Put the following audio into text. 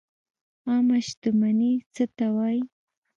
عامه شتمني څه ته وایي؟